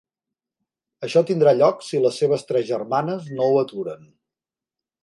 Això tindrà lloc si les seves tres germanes no ho aturen.